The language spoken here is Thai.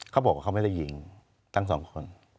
เขาบอกว่าเขาไม่ได้ยิงทั้งสองคน